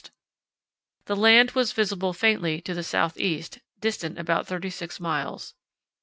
The land was visible faintly to the south east, distant about 36 miles.